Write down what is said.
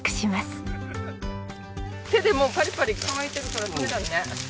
手でもうパリパリ乾いてるから取れちゃうね。